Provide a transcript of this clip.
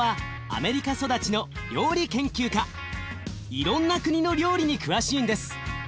いろんな国の料理に詳しいんです。